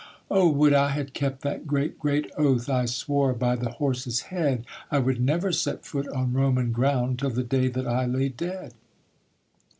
'Oh would I had kept that great great oath I swore by the horse's head, I would never set foot on Roman ground Till the day that I lay dead.